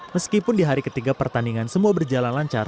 meskipun di hari ketiga pertandingan semua berjalan lancar